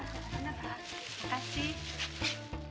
bener kak makasih